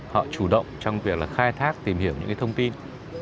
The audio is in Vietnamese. họ chủ động trong việc là khai thác tìm hiểu những thông tin